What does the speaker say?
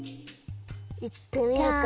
いってみるか？